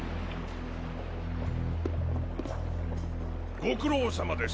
ご苦労さまです。